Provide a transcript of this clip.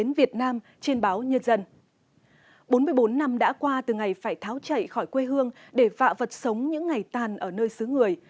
bốn mươi bốn năm đã qua từ ngày phải tháo chảy khỏi quê hương để vạ vật sống những ngày tàn ở nơi xứ người